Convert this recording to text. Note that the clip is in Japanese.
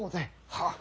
はっ！